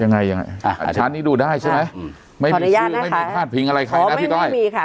ยังไงยังไงอ่ะชาร์จนี้ดูได้ใช่ไหมอ่าไม่พิงอะไรขอไม่มีค่ะ